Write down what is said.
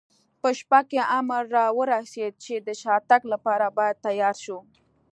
په شپه کې امر را ورسېد، چې د شاتګ لپاره باید تیار شو.